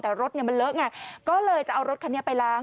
แต่รถเนี่ยมันเลอะไงก็เลยจะเอารถคันนี้ไปล้าง